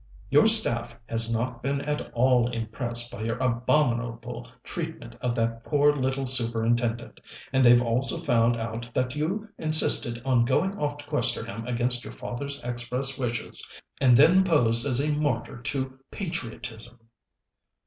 Your staff has not been at all impressed by your abominable treatment of that poor little Superintendent, and they've also found out that you insisted on going off to Questerham against your father's express wishes, and then posed as a martyr to patriotism."